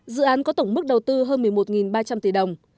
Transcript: dự án có tổng mức đầu tư hơn một mươi một ba trăm linh tỷ đồng